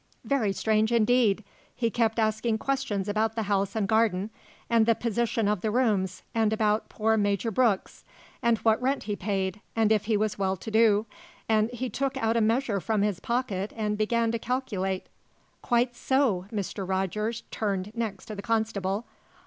"Very strange indeed. He kept asking questions about the house and garden, and the position of the rooms and about poor Major Brooks, and what rent he paid, and if he was well to do. And he took out a measure from his pocket and began to calculate " "Quite so." Mr. Rogers turned next to the constable.